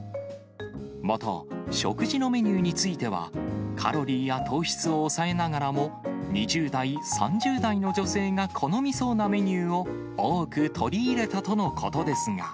また、食事のメニューについては、カロリーや糖質を抑えながらも、２０代、３０代の女性が好みそうなメニューを多く取り入れたとのことですが。